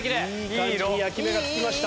いい感じに焼き目がつきました。